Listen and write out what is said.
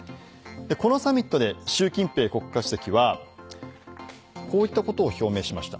このサミットで習近平国家主席はこういったことを表明しました。